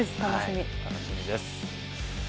楽しみです。